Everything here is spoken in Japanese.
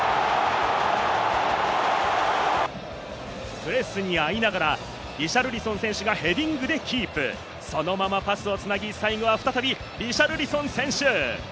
プレスにあいながらリシャルリソン選手がヘディングでキープ、そのままパスをつなぎ、最後は再びリシャルリソン選手。